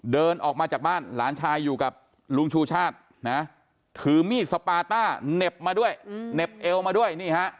เดินออกมาจากบ้านหลานชายอยู่กับลุงชู่ชาติถือมีดสปาต้าเหน็บเอามาด้วย